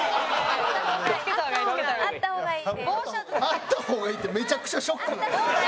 「あった方がいい」ってめちゃくちゃショック。